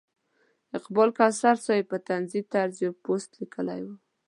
اقبال کوثر صاحب په طنزي طرز یو پوسټ لیکلی و.